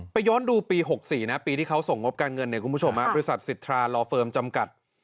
ไปย้อนดูปี๖๔ปีที่เขาส่งงบการเงินบริษัทสิทธารลอเฟิร์มจำกัด